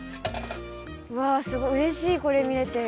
うわすごいうれしいこれ見れて。